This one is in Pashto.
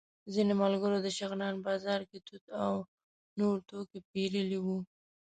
ځینو ملګرو د شغنان بازار کې توت او نور توکي پېرلي وو.